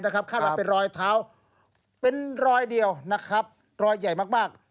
ข้าวนั้นเป็นรอยเท้าเป็นรอยเดียวรอยใหญ่มาก